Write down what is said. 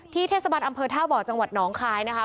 ที่เทศบันดิ์อำเภอถ้าบ่อจังหวัดหนองคลายนะคะ